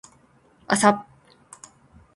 朝